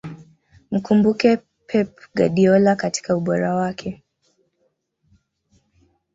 mkumbuke pep guardiola katika ubora wake